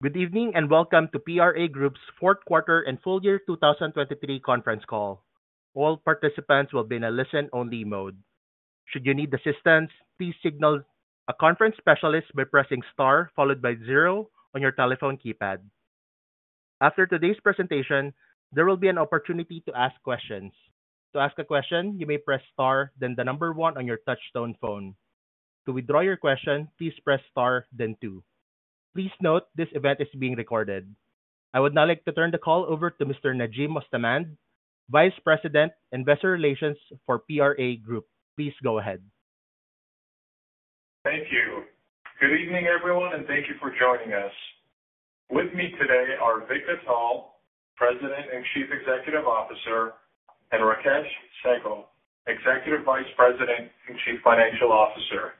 Good evening and welcome to PRA Group's fourth quarter and full year 2023 conference call. All participants will be in a listen-only mode. Should you need assistance, please signal a conference specialist by pressing star followed by zero on your telephone keypad. After today's presentation, there will be an opportunity to ask questions. To ask a question, you may press star then the number one on your touch-tone phone. To withdraw your question, please press star then 2. Please note, this event is being recorded. I would now like to turn the call over to Mr. Najim Mostamand, Vice President, Investor Relations for PRA Group. Please go ahead. Thank you. Good evening, everyone, and thank you for joining us. With me today are Vik Atal, President and Chief Executive Officer, and Rakesh Sehgal, Executive Vice President and Chief Financial Officer.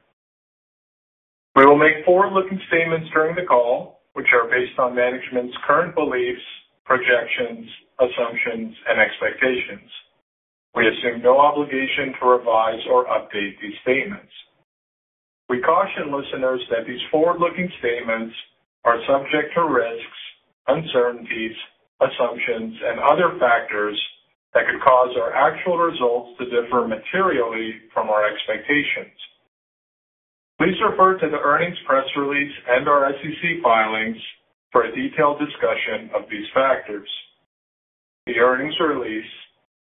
We will make forward-looking statements during the call, which are based on management's current beliefs, projections, assumptions, and expectations. We assume no obligation to revise or update these statements. We caution listeners that these forward-looking statements are subject to risks, uncertainties, assumptions, and other factors that could cause our actual results to differ materially from our expectations. Please refer to the earnings press release and our SEC filings for a detailed discussion of these factors. The earnings release,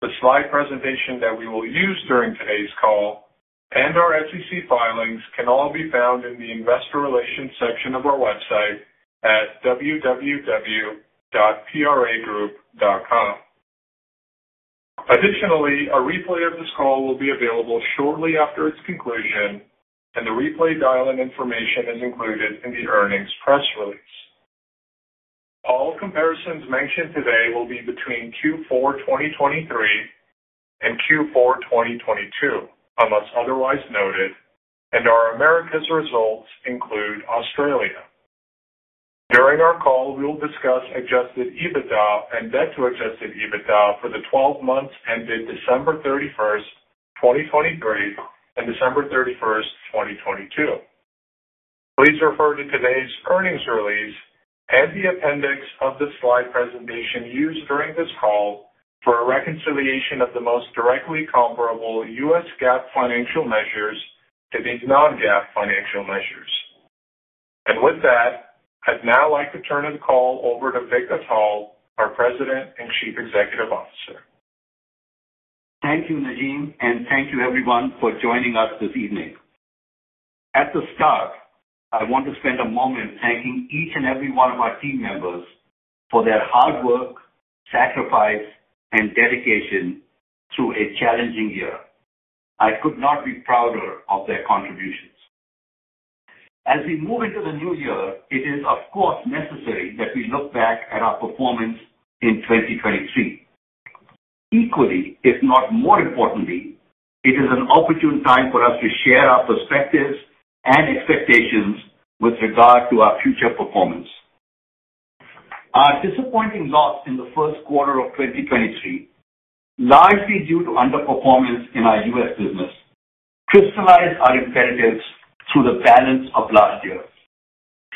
the slide presentation that we will use during today's call, and our SEC filings can all be found in the Investor Relations section of our website at www.pragroup.com. Additionally, a replay of this call will be available shortly after its conclusion, and the replay dial-in information is included in the earnings press release. All comparisons mentioned today will be between Q4 2023 and Q4 2022, unless otherwise noted, and our Americas results include Australia. During our call, we will discuss adjusted EBITDA and debt-to-adjusted EBITDA for the 12 months ended December 31, 2023, and December 31, 2022. Please refer to today's earnings release and the appendix of the slide presentation used during this call for a reconciliation of the most directly comparable U.S. GAAP financial measures to these non-GAAP financial measures. With that, I'd now like to turn the call over to Vik Atal, our President and Chief Executive Officer. Thank you, Najim, and thank you, everyone, for joining us this evening. At the start, I want to spend a moment thanking each and every one of our team members for their hard work, sacrifice, and dedication through a challenging year. I could not be prouder of their contributions. As we move into the new year, it is, of course, necessary that we look back at our performance in 2023. Equally, if not more importantly, it is an opportune time for us to share our perspectives and expectations with regard to our future performance. Our disappointing loss in the first quarter of 2023, largely due to underperformance in our U.S. business, crystallized our imperatives through the balance of last year.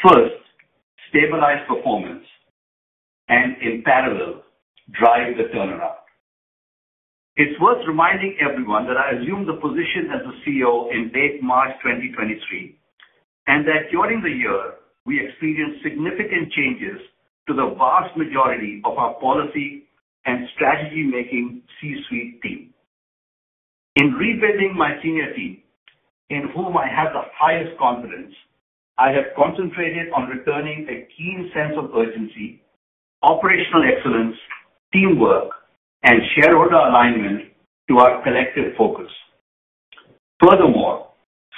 First, stabilize performance, and in parallel, drive the turnaround. It's worth reminding everyone that I assumed the position as the CEO in late March 2023 and that during the year we experienced significant changes to the vast majority of our policy and strategy-making C-suite team. In rebuilding my senior team, in whom I have the highest confidence, I have concentrated on returning a keen sense of urgency, operational excellence, teamwork, and shareholder alignment to our collective focus. Furthermore,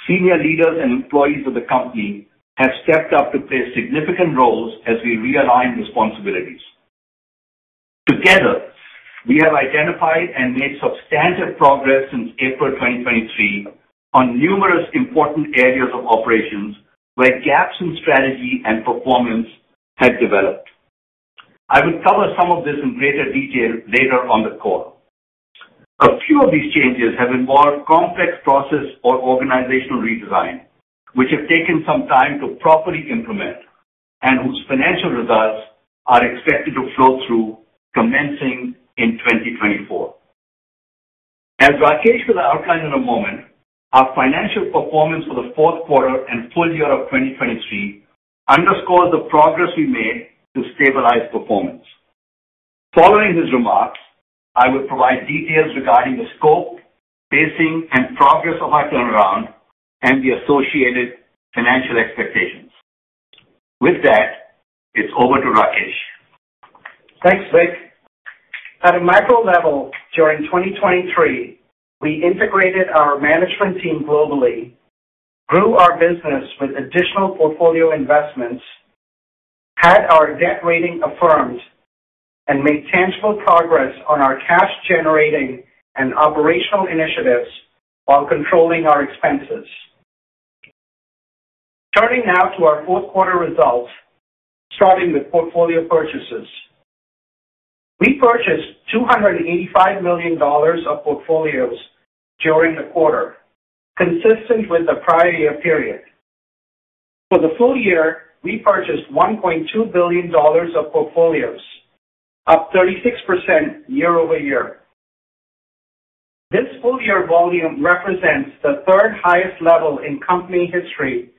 senior leaders and employees of the company have stepped up to play significant roles as we realign responsibilities. Together, we have identified and made substantive progress since April 2023 on numerous important areas of operations where gaps in strategy and performance had developed. I will cover some of this in greater detail later on the call. A few of these changes have involved complex process or organizational redesign, which have taken some time to properly implement and whose financial results are expected to flow through, commencing in 2024. As Rakesh will outline in a moment, our financial performance for the fourth quarter and full year of 2023 underscores the progress we made to stabilize performance. Following his remarks, I will provide details regarding the scope, pacing, and progress of our turnaround and the associated financial expectations. With that, it's over to Rakesh. Thanks, Vik. At a micro level, during 2023, we integrated our management team globally, grew our business with additional portfolio investments, had our debt rating affirmed, and made tangible progress on our cash-generating and operational initiatives while controlling our expenses. Turning now to our fourth quarter results, starting with portfolio purchases. We purchased $285 million of portfolios during the quarter, consistent with the prior year period. For the full year, we purchased $1.2 billion of portfolios, up 36% year-over-year. This full-year volume represents the third highest level in company history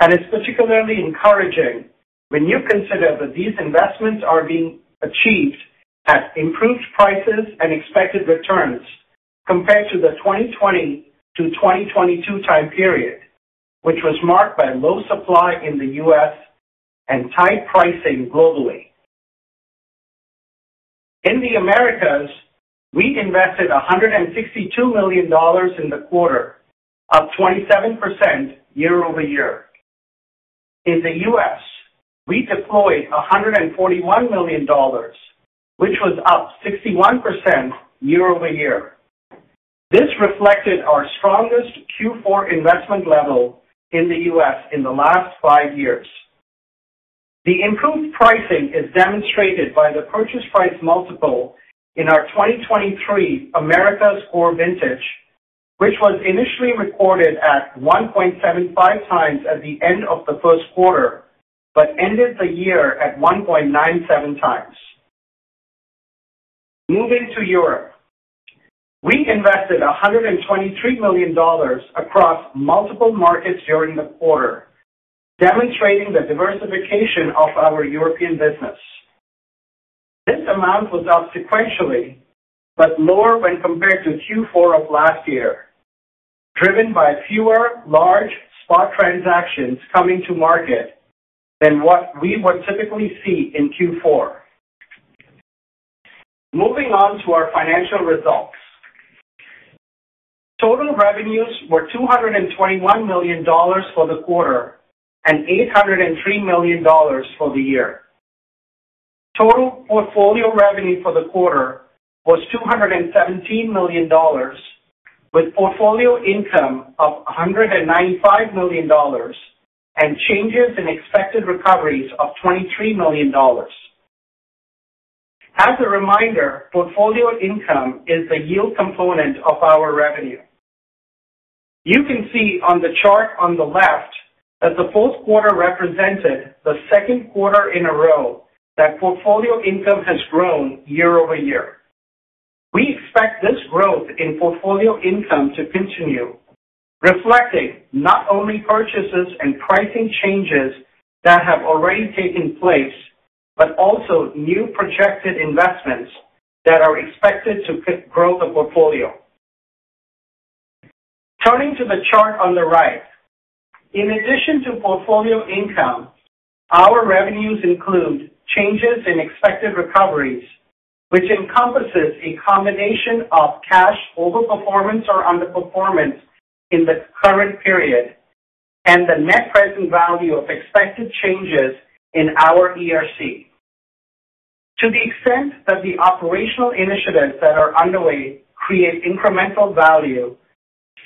and is particularly encouraging when you consider that these investments are being achieved at improved prices and expected returns compared to the 2020 to 2022 time period, which was marked by low supply in the U.S. and tight pricing globally. In the Americas, we invested $162 million in the quarter, up 27% year-over-year. In the U.S., we deployed $141 million, which was up 61% year-over-year. This reflected our strongest Q4 investment level in the U.S. in the last five years. The improved pricing is demonstrated by the purchase price multiple in our 2023 Americas Core Vintage, which was initially recorded at 1.75x at the end of the first quarter but ended the year at 1.97x. Moving to Europe, we invested $123 million across multiple markets during the quarter, demonstrating the diversification of our European business. This amount was up sequentially but lower when compared to Q4 of last year, driven by fewer large spot transactions coming to market than what we would typically see in Q4. Moving on to our financial results. Total revenues were $221 million for the quarter and $803 million for the year. Total portfolio revenue for the quarter was $217 million, with portfolio income of $195 million and changes in expected recoveries of $23 million. As a reminder, portfolio income is the yield component of our revenue. You can see on the chart on the left that the fourth quarter represented the second quarter in a row that portfolio income has grown year-over-year. We expect this growth in portfolio income to continue, reflecting not only purchases and pricing changes that have already taken place but also new projected investments that are expected to grow the portfolio. Turning to the chart on the right, in addition to portfolio income, our revenues include changes in expected recoveries, which encompasses a combination of cash overperformance or underperformance in the current period and the net present value of expected changes in our ERC. To the extent that the operational initiatives that are underway create incremental value,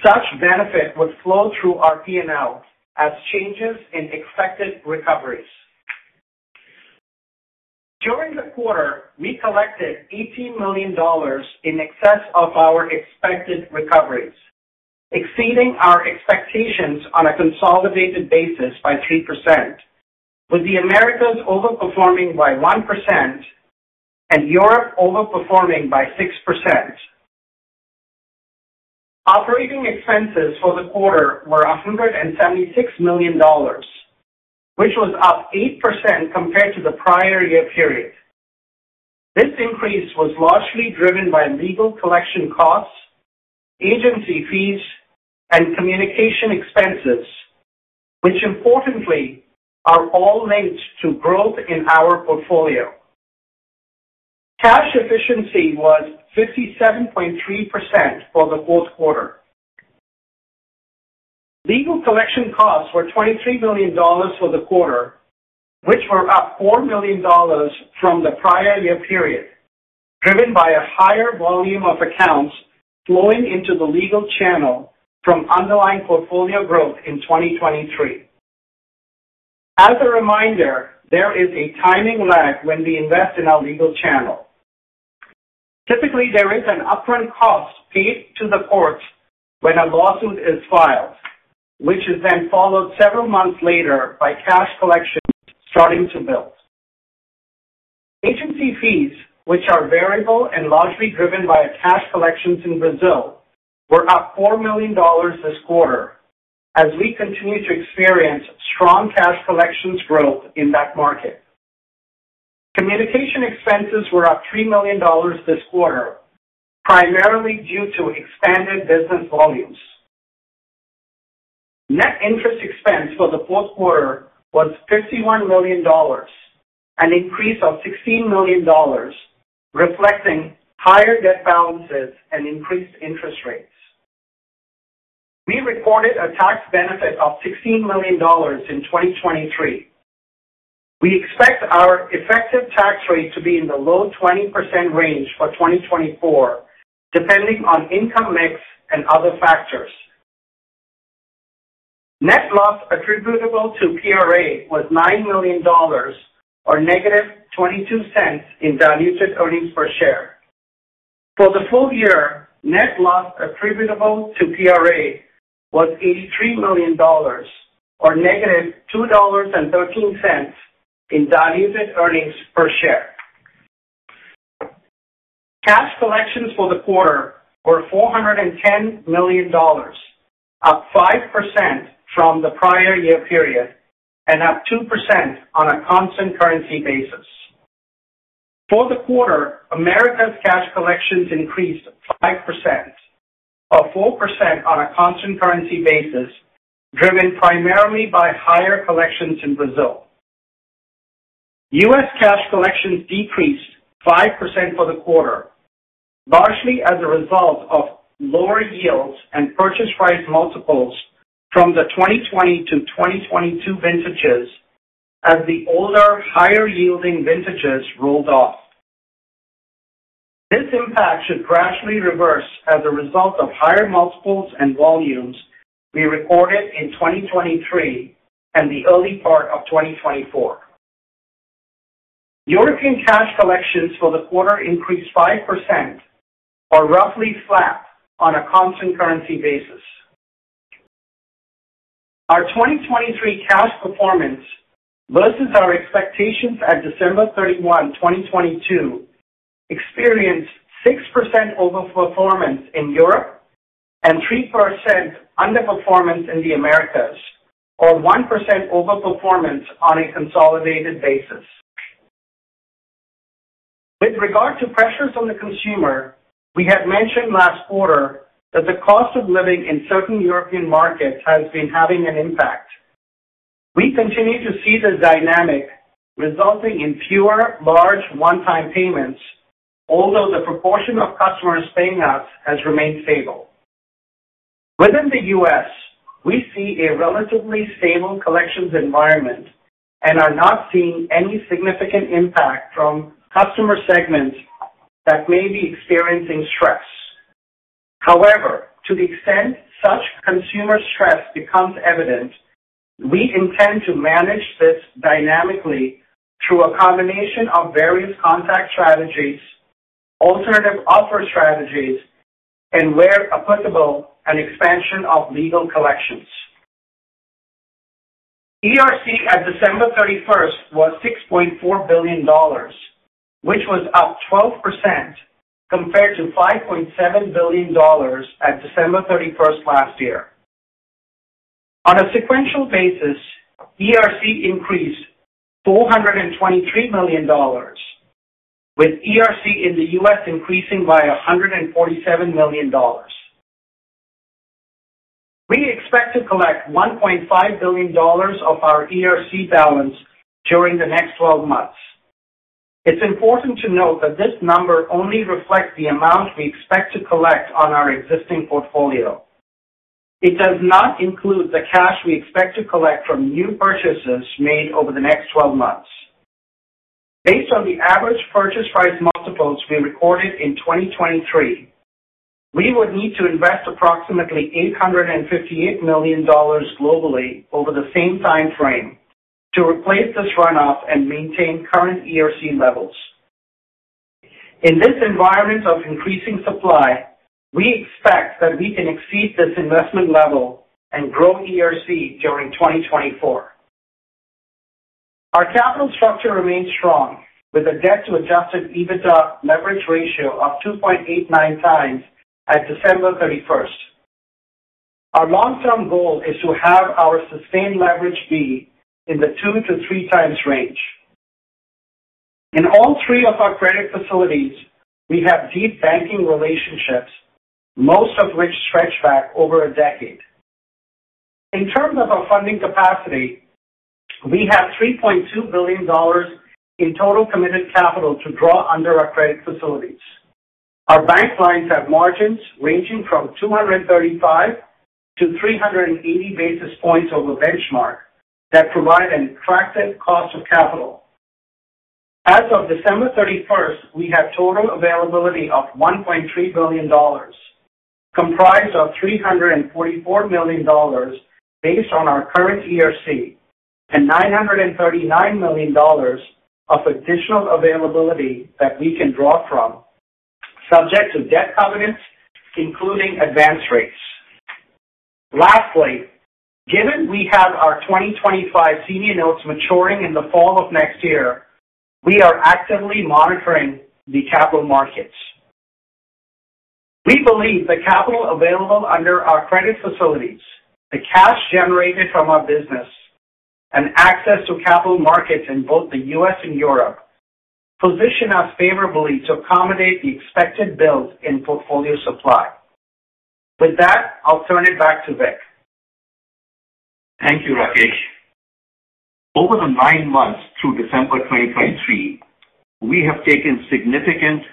such benefit would flow through our P&L as changes in expected recoveries. During the quarter, we collected $18 million in excess of our expected recoveries, exceeding our expectations on a consolidated basis by 3%, with the Americas overperforming by 1% and Europe overperforming by 6%. Operating expenses for the quarter were $176 million, which was up 8% compared to the prior year period. This increase was largely driven by legal collection costs, agency fees, and communication expenses, which importantly are all linked to growth in our portfolio. Cash efficiency was 57.3% for the fourth quarter. Legal collection costs were $23 million for the quarter, which were up $4 million from the prior year period, driven by a higher volume of accounts flowing into the legal channel from underlying portfolio growth in 2023. As a reminder, there is a timing lag when we invest in our legal channel. Typically, there is an upfront cost paid to the courts when a lawsuit is filed, which is then followed several months later by cash collections starting to build. Agency fees, which are variable and largely driven by cash collections in Brazil, were up $4 million this quarter as we continue to experience strong cash collections growth in that market. Communication expenses were up $3 million this quarter, primarily due to expanded business volumes. Net interest expense for the fourth quarter was $51 million, an increase of $16 million, reflecting higher debt balances and increased interest rates. We reported a tax benefit of $16 million in 2023. We expect our effective tax rate to be in the low 20% range for 2024, depending on income mix and other factors. Net loss attributable to PRA was $9 million or -$0.22 diluted earnings per share. For the full year, net loss attributable to PRA was $83 million or -$2.13 diluted earnings per share. Cash collections for the quarter were $410 million, up 5% from the prior year period and up 2% on a constant currency basis. For the quarter, Americas cash collections increased 5%, up 4% on a constant currency basis, driven primarily by higher collections in Brazil. U.S. cash collections decreased 5% for the quarter, largely as a result of lower yields and purchase price multiples from the 2020-2022 vintages as the older, higher-yielding vintages rolled off. This impact should gradually reverse as a result of higher multiples and volumes we recorded in 2023 and the early part of 2024. European cash collections for the quarter increased 5%, or roughly flat on a constant currency basis. Our 2023 cash performance versus our expectations at December 31, 2022, experienced 6% overperformance in Europe and 3% underperformance in the Americas, or 1% overperformance on a consolidated basis. With regard to pressures on the consumer, we had mentioned last quarter that the cost of living in certain European markets has been having an impact. We continue to see this dynamic resulting in fewer large one-time payments, although the proportion of customers paying us has remained stable. Within the U.S., we see a relatively stable collections environment and are not seeing any significant impact from customer segments that may be experiencing stress. However, to the extent such consumer stress becomes evident, we intend to manage this dynamically through a combination of various contact strategies, alternative offer strategies, and where applicable, an expansion of legal collections. ERC at December 31 was $6.4 billion, which was up 12% compared to $5.7 billion at December 31 last year. On a sequential basis, ERC increased $423 million, with ERC in the U.S. increasing by $147 million. We expect to collect $1.5 billion of our ERC balance during the next 12 months. It's important to note that this number only reflects the amount we expect to collect on our existing portfolio. It does not include the cash we expect to collect from new purchases made over the next 12 months. Based on the average purchase price multiples we recorded in 2023, we would need to invest approximately $858 million globally over the same time frame to replace this runoff and maintain current ERC levels. In this environment of increasing supply, we expect that we can exceed this investment level and grow ERC during 2024. Our capital structure remains strong, with a debt-to-Adjusted EBITDA leverage ratio of 2.89 times at December 31. Our long-term goal is to have our sustained leverage be in the 2-3 times range. In all three of our credit facilities, we have deep banking relationships, most of which stretch back over a decade. In terms of our funding capacity, we have $3.2 billion in total committed capital to draw under our credit facilities. Our bank lines have margins ranging from 235-380 basis points over benchmark that provide an attractive cost of capital. As of December 31, we have total availability of $1.3 billion, comprised of $344 million based on our current ERC and $939 million of additional availability that we can draw from, subject to debt covenants including advance rates. Lastly, given we have our 2025 senior notes maturing in the fall of next year, we are actively monitoring the capital markets. We believe the capital available under our credit facilities, the cash generated from our business, and access to capital markets in both the U.S. and Europe position us favorably to accommodate the expected build in portfolio supply. With that, I'll turn it back to Vik. Thank you, Rakesh. Over the nine months through December 2023, we have taken significant,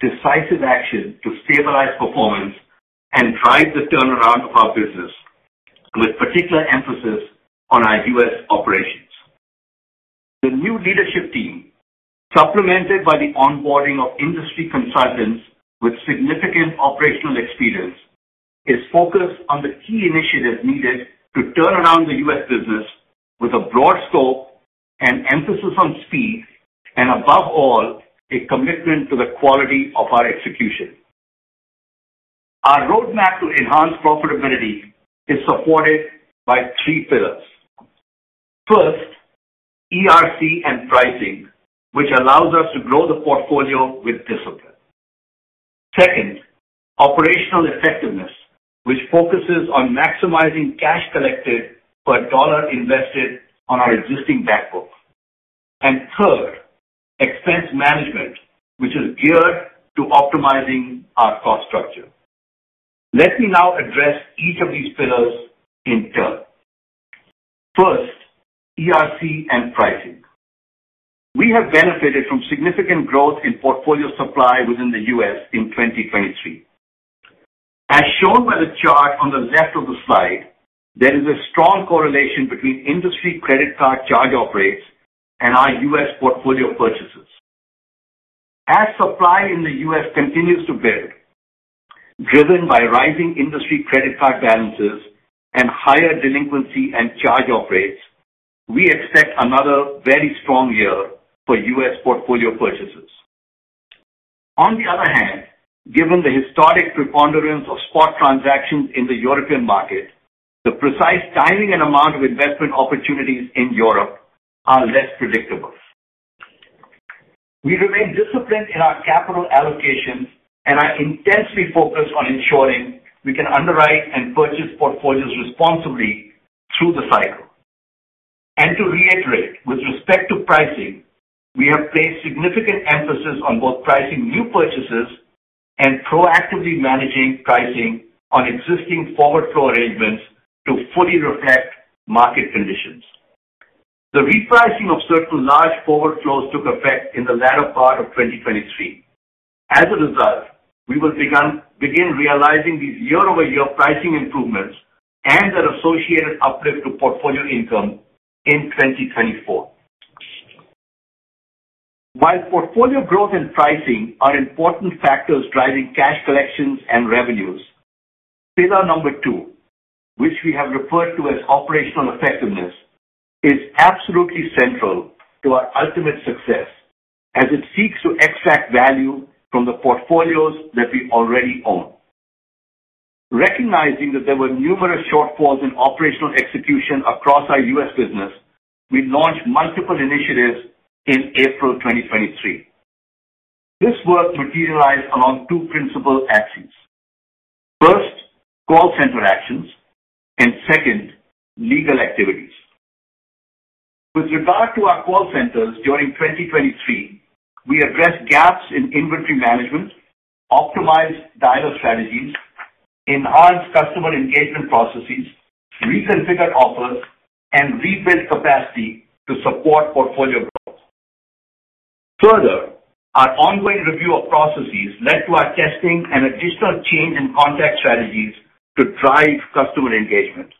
decisive action to stabilize performance and drive the turnaround of our business, with particular emphasis on our U.S. operations. The new leadership team, supplemented by the onboarding of industry consultants with significant operational experience, is focused on the key initiatives needed to turn around the U.S. business with a broad scope and emphasis on speed, and above all, a commitment to the quality of our execution. Our roadmap to enhance profitability is supported by three pillars. First, ERC and pricing, which allows us to grow the portfolio with discipline. Second, operational effectiveness, which focuses on maximizing cash collected per dollar invested on our existing backbook. And third, expense management, which is geared to optimizing our cost structure. Let me now address each of these pillars in turn. First, ERC and pricing. We have benefited from significant growth in portfolio supply within the U.S. in 2023. As shown by the chart on the left of the slide, there is a strong correlation between industry credit card charge-offs and our U.S. portfolio purchases. As supply in the U.S. continues to build, driven by rising industry credit card balances and higher delinquency and charge-offs, we expect another very strong year for U.S. portfolio purchases. On the other hand, given the historic preponderance of spot transactions in the European market, the precise timing and amount of investment opportunities in Europe are less predictable. We remain disciplined in our capital allocations and are intensely focused on ensuring we can underwrite and purchase portfolios responsibly through the cycle. To reiterate, with respect to pricing, we have placed significant emphasis on both pricing new purchases and proactively managing pricing on existing forward flow arrangements to fully reflect market conditions. The repricing of certain large forward flows took effect in the latter part of 2023. As a result, we will begin realizing these year-over-year pricing improvements and their associated uplift to portfolio income in 2024. While portfolio growth and pricing are important factors driving cash collections and revenues, pillar number two, which we have referred to as operational effectiveness, is absolutely central to our ultimate success as it seeks to extract value from the portfolios that we already own. Recognizing that there were numerous shortfalls in operational execution across our U.S. business, we launched multiple initiatives in April 2023. This work materialized along two principal axes: first, call center actions, and second, legal activities. With regard to our call centers during 2023, we addressed gaps in inventory management, optimized dialogue strategies, enhanced customer engagement processes, reconfigured offers, and rebuilt capacity to support portfolio growth. Further, our ongoing review of processes led to our testing and additional change in contact strategies to drive customer engagement.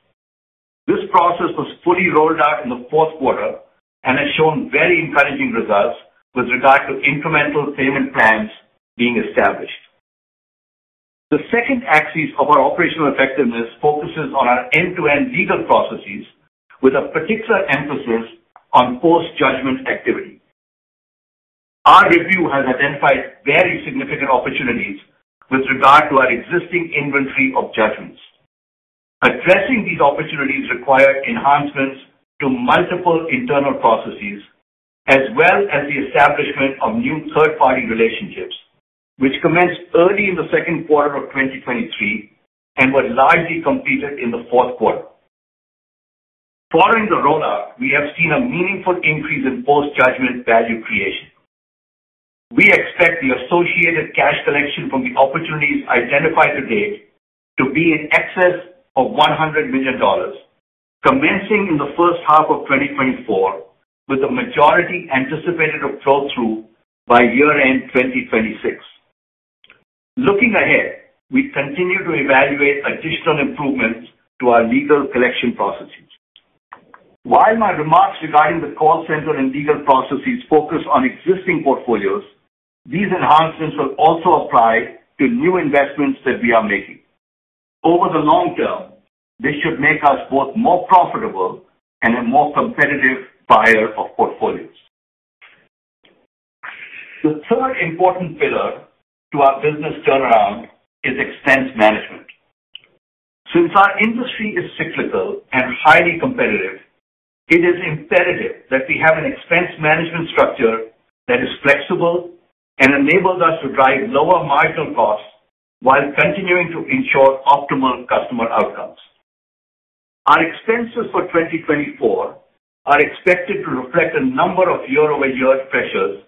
This process was fully rolled out in the fourth quarter and has shown very encouraging results with regard to incremental payment plans being established. The second axis of our operational effectiveness focuses on our end-to-end legal processes with a particular emphasis on post-judgment activity. Our review has identified very significant opportunities with regard to our existing inventory of judgments. Addressing these opportunities required enhancements to multiple internal processes as well as the establishment of new third-party relationships, which commenced early in the second quarter of 2023 and were largely completed in the fourth quarter. Following the rollout, we have seen a meaningful increase in post-judgment value creation. We expect the associated cash collection from the opportunities identified to date to be in excess of $100 million, commencing in the first half of 2024 with a majority anticipated flow through by year-end 2026. Looking ahead, we continue to evaluate additional improvements to our legal collection processes. While my remarks regarding the call center and legal processes focus on existing portfolios, these enhancements will also apply to new investments that we are making. Over the long term, this should make us both more profitable and a more competitive buyer of portfolios. The third important pillar to our business turnaround is expense management. Since our industry is cyclical and highly competitive, it is imperative that we have an expense management structure that is flexible and enables us to drive lower marginal costs while continuing to ensure optimal customer outcomes. Our expenses for 2024 are expected to reflect a number of year-over-year pressures,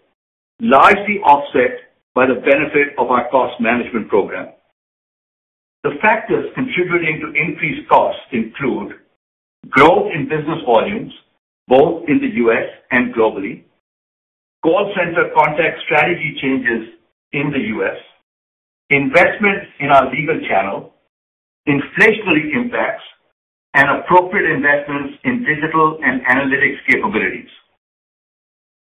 largely offset by the benefit of our cost management program. The factors contributing to increased costs include growth in business volumes both in the U.S. and globally, call center contact strategy changes in the U.S., investment in our legal channel, inflationary impacts, and appropriate investments in digital and analytics capabilities.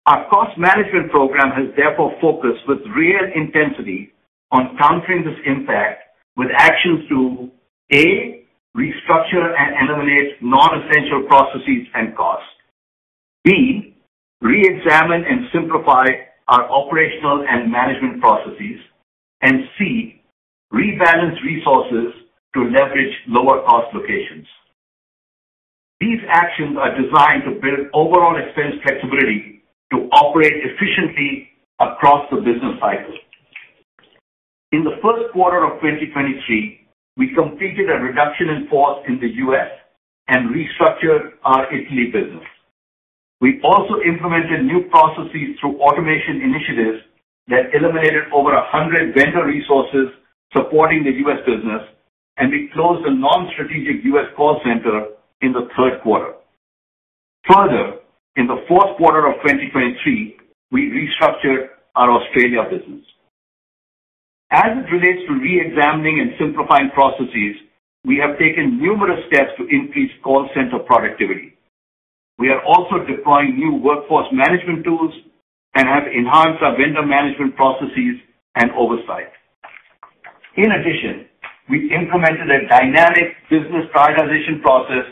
Our cost management program has therefore focused with real intensity on countering this impact with actions to: A, restructure and eliminate non-essential processes and costs, B, reexamine and simplify our operational and management processes, and C, rebalance resources to leverage lower-cost locations. These actions are designed to build overall expense flexibility to operate efficiently across the business cycle. In the first quarter of 2023, we completed a reduction in force in the U.S. and restructured our Italy business. We also implemented new processes through automation initiatives that eliminated over 100 vendor resources supporting the U.S. business, and we closed a non-strategic U.S. call center in the third quarter. Further, in the fourth quarter of 2023, we restructured our Australia business. As it relates to reexamining and simplifying processes, we have taken numerous steps to increase call center productivity. We are also deploying new workforce management tools and have enhanced our vendor management processes and oversight. In addition, we implemented a dynamic business prioritization process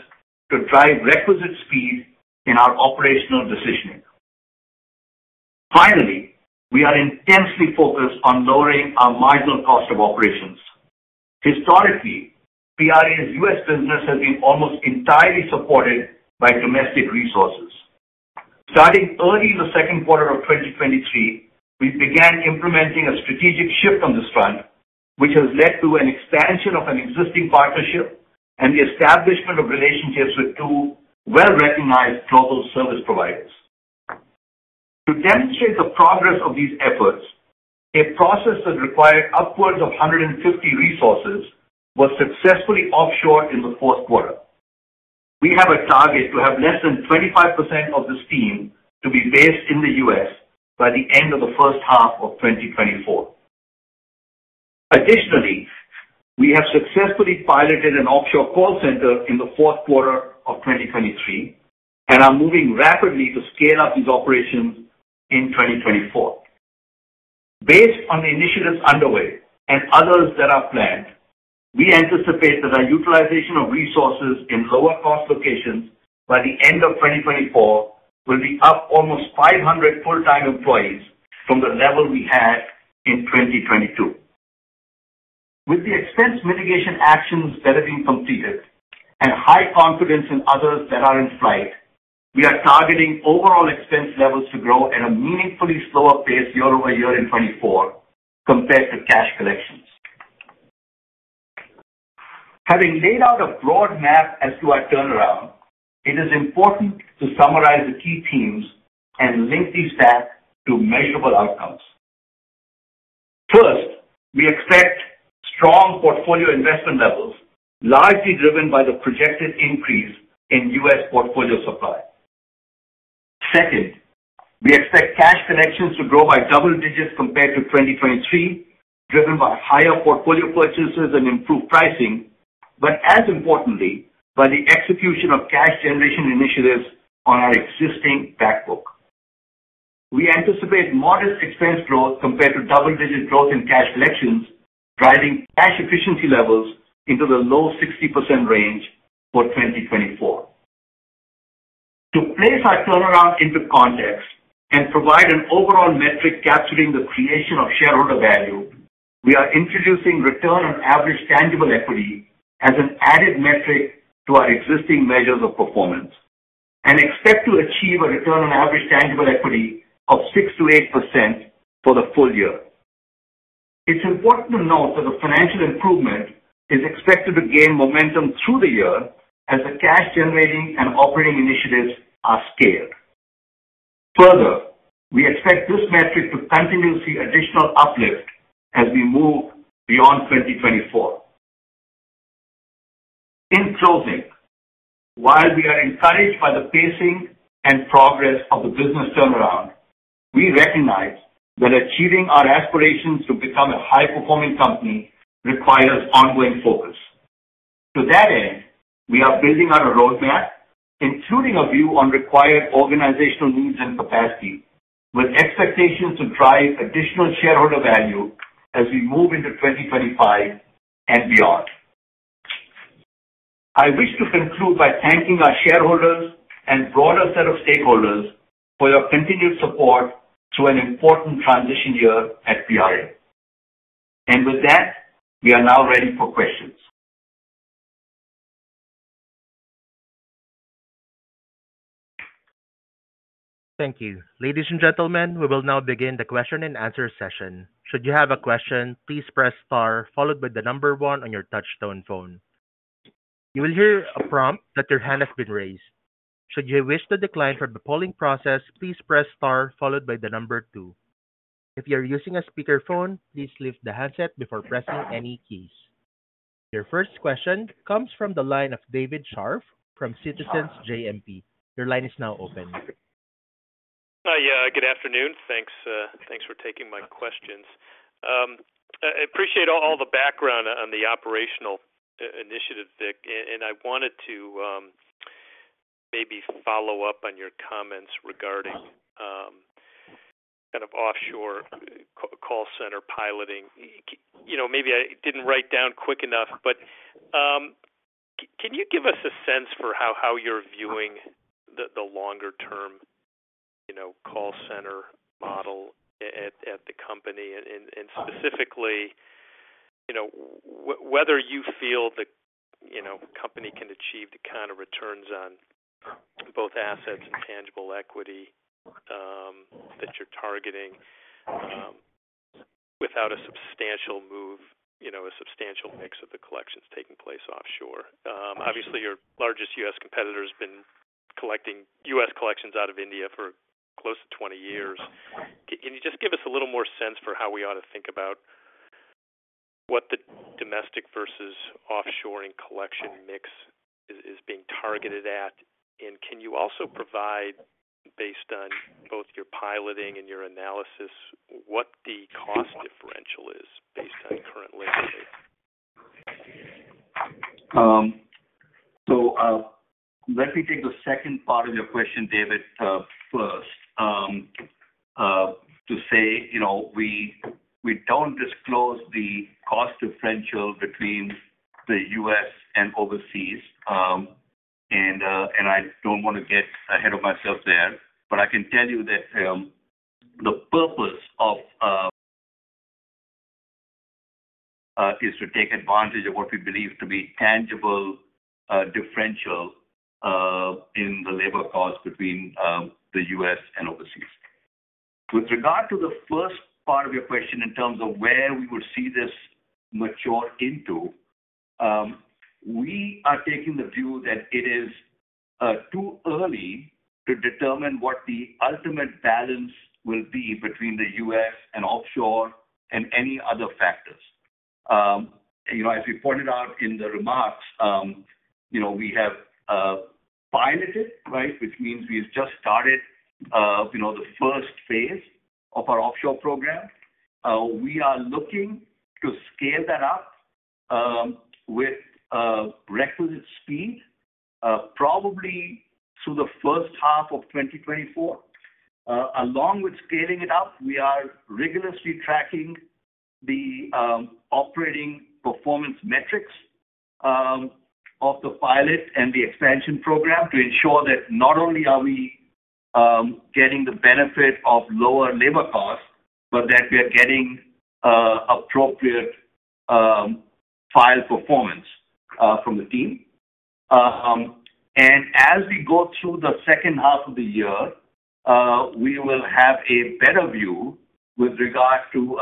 to drive requisite speed in our operational decisioning. Finally, we are intensely focused on lowering our marginal cost of operations. Historically, PRA's U.S. business has been almost entirely supported by domestic resources. Starting early in the second quarter of 2023, we began implementing a strategic shift on this front, which has led to an expansion of an existing partnership and the establishment of relationships with two well-recognized global service providers. To demonstrate the progress of these efforts, a process that required upwards of 150 resources was successfully offshored in the fourth quarter. We have a target to have less than 25% of this team to be based in the U.S. by the end of the first half of 2024. Additionally, we have successfully piloted an offshore call center in the fourth quarter of 2023 and are moving rapidly to scale up these operations in 2024. Based on the initiatives underway and others that are planned, we anticipate that our utilization of resources in lower-cost locations by the end of 2024 will be up almost 500 full-time employees from the level we had in 2022. With the expense mitigation actions that have been completed and high confidence in others that are in flight, we are targeting overall expense levels to grow at a meaningfully slower pace year over year in 2024 compared to cash collections. Having laid out a broad map as to our turnaround, it is important to summarize the key themes and link these back to measurable outcomes. First, we expect strong portfolio investment levels, largely driven by the projected increase in U.S. portfolio supply. Second, we expect cash collections to grow by double digits compared to 2023, driven by higher portfolio purchases and improved pricing, but as importantly, by the execution of cash generation initiatives on our existing backbook. We anticipate modest expense growth compared to double-digit growth in cash collections, driving cash efficiency levels into the low 60% range for 2024. To place our turnaround into context and provide an overall metric capturing the creation of shareholder value, we are introducing return on average tangible equity as an added metric to our existing measures of performance and expect to achieve a return on average tangible equity of 6%-8% for the full year. It's important to note that the financial improvement is expected to gain momentum through the year as the cash-generating and operating initiatives are scaled. Further, we expect this metric to continuously additional uplift as we move beyond 2024. In closing, while we are encouraged by the pacing and progress of the business turnaround, we recognize that achieving our aspirations to become a high-performing company requires ongoing focus. To that end, we are building out a roadmap, including a view on required organizational needs and capacity, with expectations to drive additional shareholder value as we move into 2025 and beyond. I wish to conclude by thanking our shareholders and broader set of stakeholders for your continued support through an important transition year at PRA. And with that, we are now ready for questions. Thank you. Ladies and gentlemen, we will now begin the question-and-answer session. Should you have a question, please press * followed by the number 1 on your touch-tone phone. You will hear a prompt that your hand has been raised. Should you wish to decline from the polling process, please press * followed by the number 2. If you are using a speakerphone, please lift the handset before pressing any keys. Your first question comes from the line of David Scharf from Citizens JMP. Your line is now open. Hi, good afternoon. Thanks for taking my questions. I appreciate all the background on the operational initiative, Vik, and I wanted to maybe follow up on your comments regarding kind of offshore call center piloting. Maybe I didn't write down quick enough, but can you give us a sense for how you're viewing the longer-term call center model at the company, and specifically whether you feel the company can achieve the kind of returns on both assets and tangible equity that you're targeting without a substantial move, a substantial mix of the collections taking place offshore. Obviously, your largest U.S. competitor has been collecting U.S. collections out of India for close to 20 years. Can you just give us a little more sense for how we ought to think about what the domestic versus offshoring collection mix is being targeted at, and can you also provide, based on both your piloting and your analysis, what the cost differential is based on current liquidity? So let me take the second part of your question, David, first, to say we don't disclose the cost differential between the U.S. and overseas, and I don't want to get ahead of myself there, but I can tell you that the purpose is to take advantage of what we believe to be tangible differential in the labor cost between the U.S. and overseas. With regard to the first part of your question in terms of where we would see this mature into, we are taking the view that it is too early to determine what the ultimate balance will be between the U.S. and offshore and any other factors. As we pointed out in the remarks, we have piloted, which means we have just started the first phase of our offshore program. We are looking to scale that up with requisite speed, probably through the first half of 2024. Along with scaling it up, we are rigorously tracking the operating performance metrics of the pilot and the expansion program to ensure that not only are we getting the benefit of lower labor costs, but that we are getting appropriate file performance from the team. As we go through the second half of the year, we will have a better view with regard to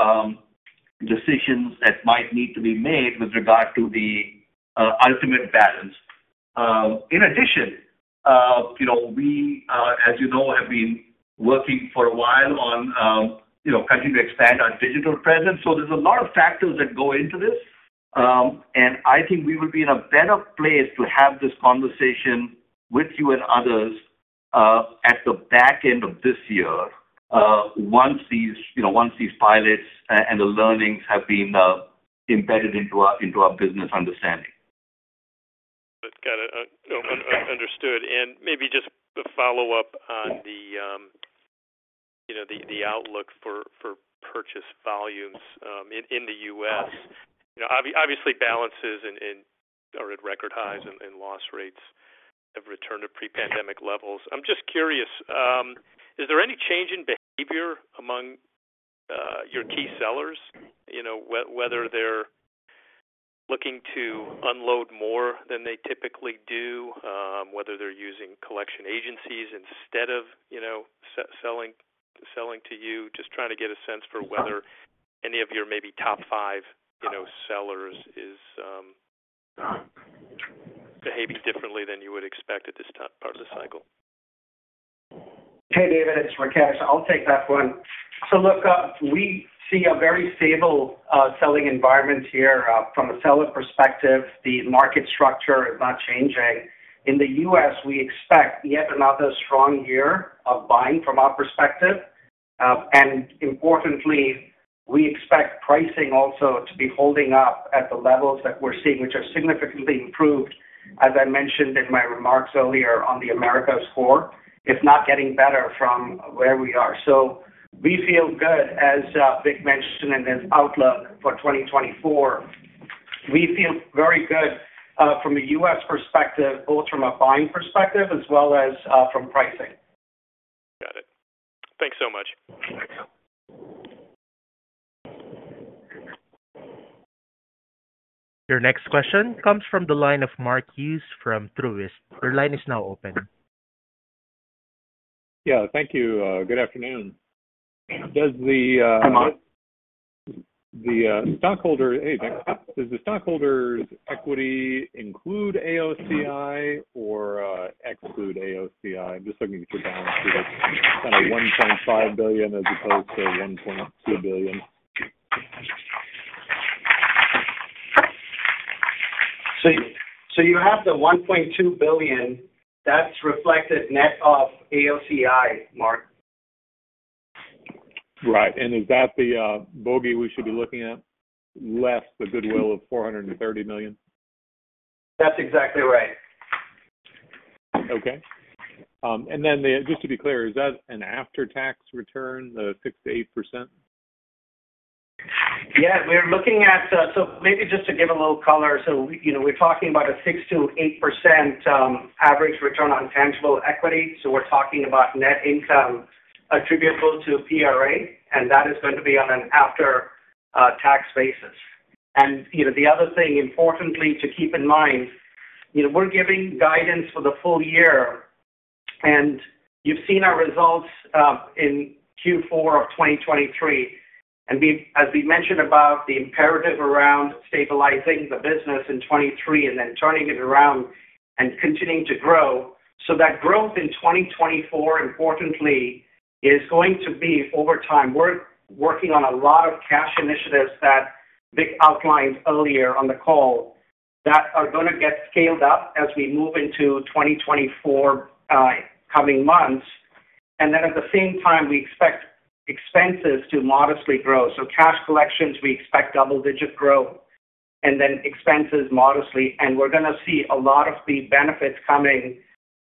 decisions that might need to be made with regard to the ultimate balance. In addition, we, as you know, have been working for a while on continuing to expand our digital presence, so there's a lot of factors that go into this, and I think we will be in a better place to have this conversation with you and others at the back end of this year once these pilots and the learnings have been embedded into our business understanding. That's got it. Understood. Maybe just a follow-up on the outlook for purchase volumes in the U.S. Obviously, balances are at record highs, and loss rates have returned to pre-pandemic levels. I'm just curious, is there any change in behavior among your key sellers, whether they're looking to unload more than they typically do, whether they're using collection agencies instead of selling to you? Just trying to get a sense for whether any of your maybe top five sellers is behaving differently than you would expect at this part of the cycle. Hey, David. It's Rakesh. I'll take that one. So look, we see a very stable selling environment here from a seller perspective. The market structure is not changing. In the U.S., we expect yet another strong year of buying from our perspective. And importantly, we expect pricing also to be holding up at the levels that we're seeing, which are significantly improved, as I mentioned in my remarks earlier, on the Americas core, if not getting better from where we are. So we feel good, as Vik mentioned in his outlook for 2024. We feel very good from a U.S. perspective, both from a buying perspective as well as from pricing. Got it. Thanks so much. Your next question comes from the line of Mark Hughes from Truist. Your line is now open. Yeah. Thank you. Good afternoon. Does the stockholder's equity include AOCI or exclude AOCI? I'm just looking at your balance here. It's kind of $1.5 billion as opposed to $1.2 billion. So you have the $1.2 billion. That's reflected net of AOCI, Mark? Right. And is that the bogey we should be looking at, less the goodwill of $430 million? That's exactly right. Okay. And then just to be clear, is that an after-tax return, the 6%-8%? Yeah. We're looking at so maybe just to give a little color. So we're talking about a 6%-8% average return on tangible equity. So we're talking about net income attributable to PRA, and that is going to be on an after-tax basis. And the other thing, importantly, to keep in mind, we're giving guidance for the full year, and you've seen our results in Q4 of 2023. And as we mentioned above, the imperative around stabilizing the business in 2023 and then turning it around and continuing to grow, so that growth in 2024, importantly, is going to be over time. We're working on a lot of cash initiatives that Vik outlined earlier on the call that are going to get scaled up as we move into 2024 coming months. And then at the same time, we expect expenses to modestly grow. So cash collections, we expect double-digit growth, and then expenses modestly. And we're going to see a lot of the benefits coming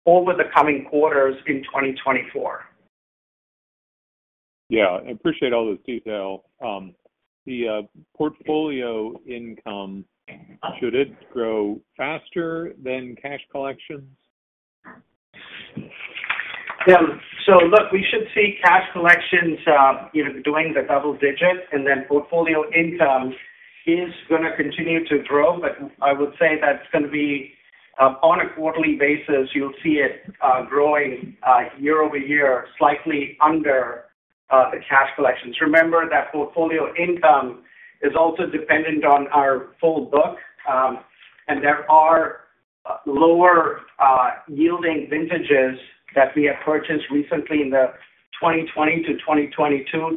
over the coming quarters in 2024. Yeah. I appreciate all this detail. The portfolio income, should it grow faster than cash collections? So look, we should see cash collections doing the double digit, and then portfolio income is going to continue to grow. But I would say that's going to be on a quarterly basis. You'll see it growing year-over-year slightly under the cash collections. Remember that portfolio income is also dependent on our full book, and there are lower-yielding vintages that we have purchased recently in the 2020-2022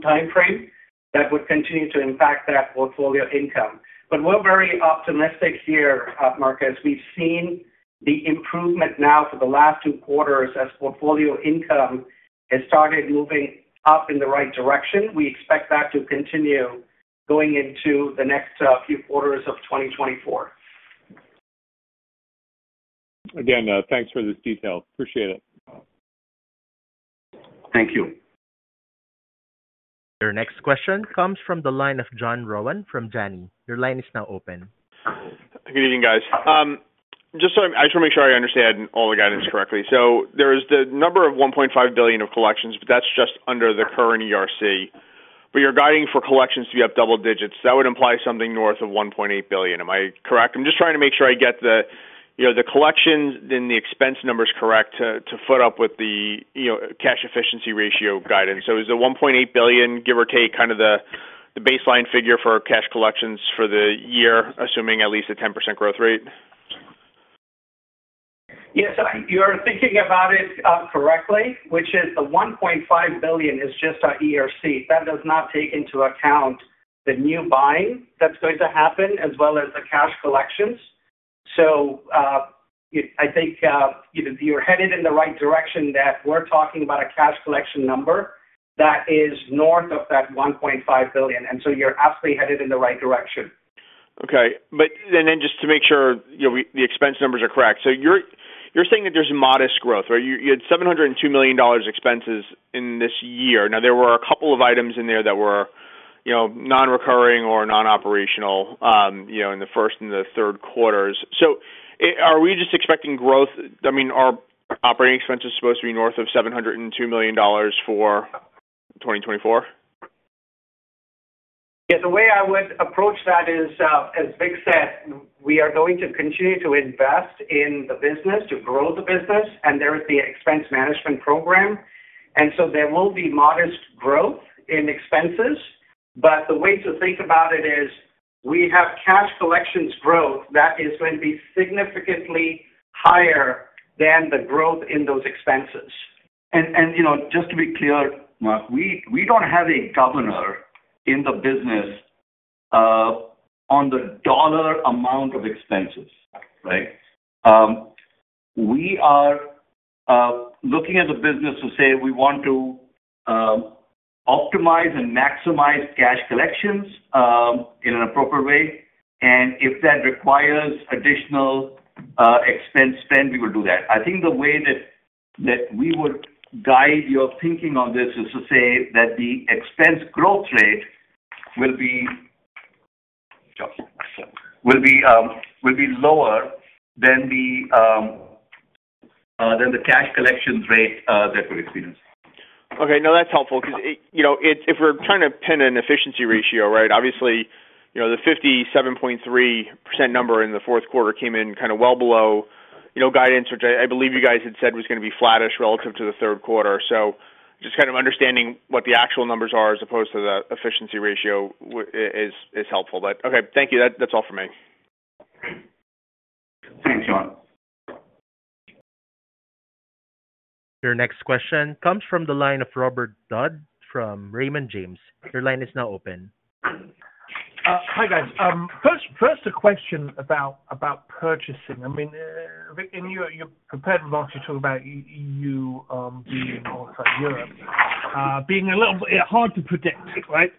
timeframe that would continue to impact that portfolio income. But we're very optimistic here, Mark, as we've seen the improvement now for the last two quarters as portfolio income has started moving up in the right direction. We expect that to continue going into the next few quarters of 2024. Again, thanks for this detail. Appreciate it. Thank you. Your next question comes from the line of John Rowan from Janney. Your line is now open. Good evening, guys. I just want to make sure I understand all the guidance correctly. There is the number of $1.5 billion of collections, but that's just under the current ERC. But you're guiding for collections to be up double digits. That would imply something north of $1.8 billion. Am I correct? I'm just trying to make sure I get the collections and the expense numbers correct to foot up with the cash efficiency ratio guidance. Is the $1.8 billion, give or take, kind of the baseline figure for cash collections for the year, assuming at least a 10% growth rate? Yes. You're thinking about it correctly, which is the $1.5 billion is just our ERC. That does not take into account the new buying that's going to happen as well as the cash collections. So I think you're headed in the right direction that we're talking about a cash collection number that is north of that $1.5 billion. And so you're absolutely headed in the right direction. Okay. And then just to make sure the expense numbers are correct. So you're saying that there's modest growth, right? You had $702 million expenses in this year. Now, there were a couple of items in there that were non-recurring or non-operational in the first and the third quarters. So are we just expecting growth? I mean, are operating expenses supposed to be north of $702 million for 2024? Yeah. The way I would approach that is, as Vik said, we are going to continue to invest in the business to grow the business, and there is the expense management program. There will be modest growth in expenses. The way to think about it is we have cash collections growth that is going to be significantly higher than the growth in those expenses. Just to be clear, Mark, we don't have a governor in the business on the dollar amount of expenses, right? We are looking at the business to say we want to optimize and maximize cash collections in an appropriate way, and if that requires additional expense spend, we will do that. I think the way that we would guide your thinking on this is to say that the expense growth rate will be lower than the cash collections rate that we're experiencing. Okay. No, that's helpful because if we're trying to pin an efficiency ratio, right, obviously, the 57.3% number in the fourth quarter came in kind of well below guidance, which I believe you guys had said was going to be flattish relative to the third quarter. So just kind of understanding what the actual numbers are as opposed to the efficiency ratio is helpful. But okay. Thank you. That's all from me. Thanks, John. Your next question comes from the line of Robert Dodd from Raymond James. Your line is now open. Hi, guys. First, a question about purchasing. I mean, Vik, in your prepared remarks, you talk about you being outside Europe, being a little hard to predict, right?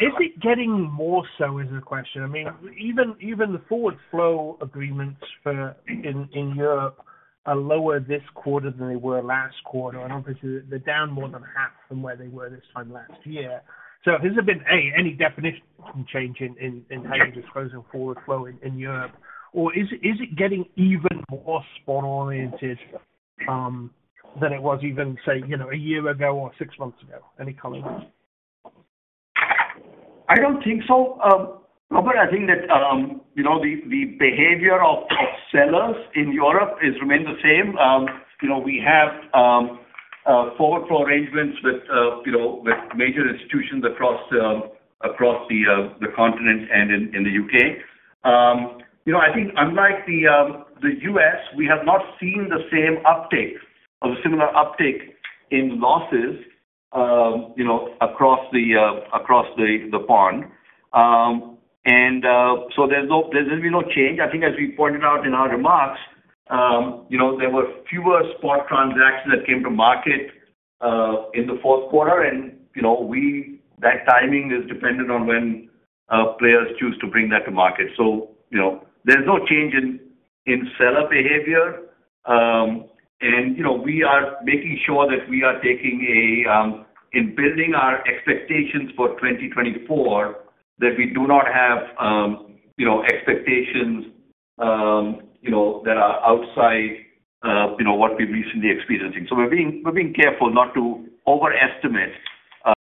Is it getting more so, is the question? I mean, even the forward flow agreements in Europe are lower this quarter than they were last quarter, and obviously, they're down more than half from where they were this time last year. So has there been, A, any definition change in how you're disposing of forward flow in Europe? Or is it getting even more spot-oriented than it was even, say, a year ago or six months ago? Any color? I don't think so, Robert. I think that the behavior of sellers in Europe remains the same. We have forward flow arrangements with major institutions across the continent and in the U.K. I think unlike the U.S., we have not seen the same uptake or similar uptake in losses across the pond. So there's going to be no change. I think as we pointed out in our remarks, there were fewer spot transactions that came to market in the fourth quarter, and that timing is dependent on when players choose to bring that to market. So there's no change in seller behavior. And we are making sure that we are taking care in building our expectations for 2024, that we do not have expectations that are outside what we've recently experiencing. So we're being careful not to overestimate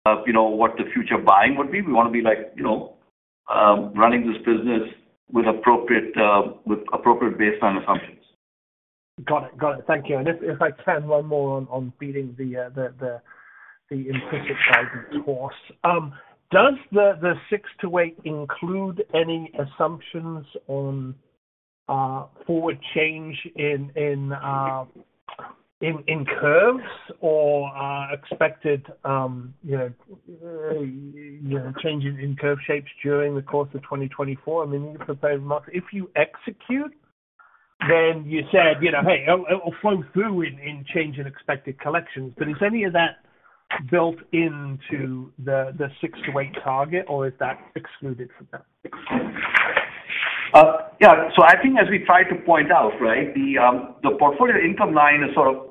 what the future buying would be. We want to be running this business with appropriate baseline assumptions. Got it. Got it. Thank you. And if I can, one more on the implicit guidance, of course. Does the 6-8 include any assumptions on forward change in curves or expected change in curve shapes during the course of 2024? I mean, in your prepared remarks, if you execute, then you said, "Hey, it'll flow through in change in expected collections." But is any of that built into the 6-8 target, or is that excluded from that? Yeah. So I think as we tried to point out, right, the portfolio income line is sort of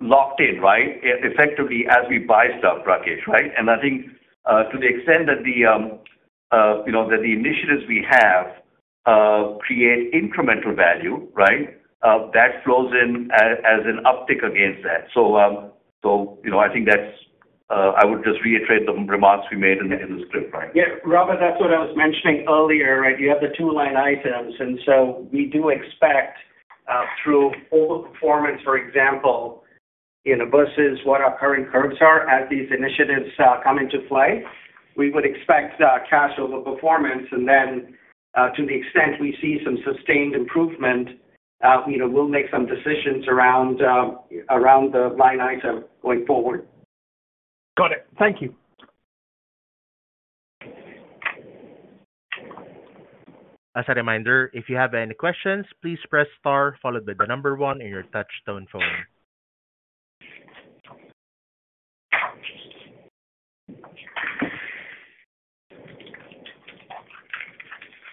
locked in, right, effectively as we buy stuff, Rakesh, right? And I think to the extent that the initiatives we have create incremental value, right, that flows in as an uptick against that. So I think that's I would just reiterate the remarks we made in the script, right? Yeah. Robert, that's what I was mentioning earlier, right? You have the two line items. And so we do expect through overperformance, for example, versus what our current curves are as these initiatives come into flight, we would expect cash overperformance. And then to the extent we see some sustained improvement, we'll make some decisions around the line item going forward. Got it. Thank you. As a reminder, if you have any questions, please press star followed by the number one in your touch-tone phone.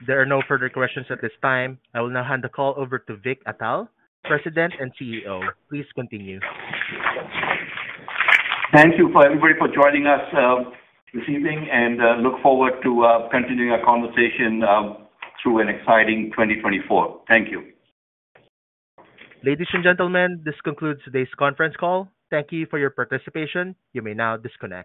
There are no further questions at this time. I will now hand the call over to Vik Atal, President and CEO. Please continue. Thank you for everybody for joining us this evening, and look forward to continuing our conversation through an exciting 2024. Thank you. Ladies and gentlemen, this concludes today's conference call. Thank you for your participation. You may now disconnect.